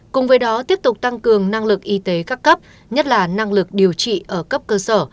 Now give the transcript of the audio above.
cùng với đó tiếp tục tăng cường năng lực y tế các cấp nhất là năng lực điều trị ở cấp cơ sở